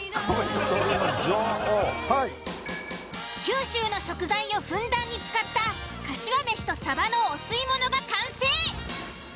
九州の食材をふんだんに使ったかしわめしとサバのお吸い物が完成。